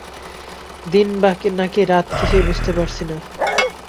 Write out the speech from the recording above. দিন নাকি রাত কিছুই বুঝতে পারছি না।